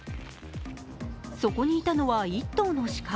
そこにいたのは１頭のしか。